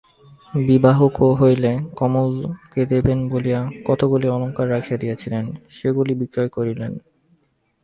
বিবাহ হইলে কমলকে দিবেন বলিয়া কতকগুলি অলংকার রাখিয়া দিয়াছিলেন, সেগুলি বিক্রয় করিলেন।